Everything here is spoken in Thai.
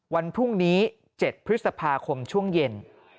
วันพรุ่งนี้๗พฤษภาคมช่วงเย็น